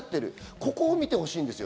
ここを見てほしいんです。